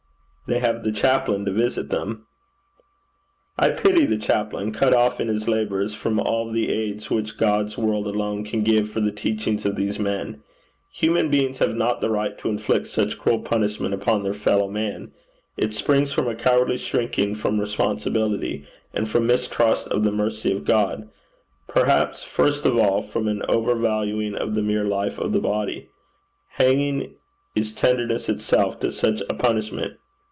'They have the chaplain to visit them.' 'I pity the chaplain, cut off in his labours from all the aids which God's world alone can give for the teaching of these men. Human beings have not the right to inflict such cruel punishment upon their fellow man. It springs from a cowardly shrinking from responsibility, and from mistrust of the mercy of God; perhaps first of all from an over valuing of the mere life of the body. Hanging is tenderness itself to such a punishment.'